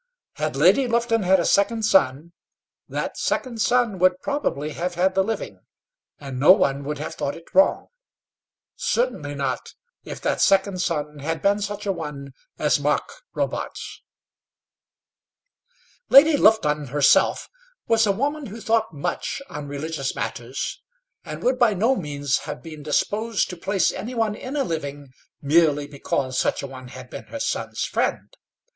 Had Lady Lufton had a second son, that second son would probably have had the living, and no one would have thought it wrong; certainly not if that second son had been such a one as Mark Robarts. Lady Lufton herself was a woman who thought much on religious matters, and would by no means have been disposed to place any one in a living, merely because such a one had been her son's friend.